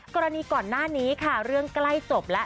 กรณีก่อนหน้านี้ค่ะเรื่องใกล้จบแล้ว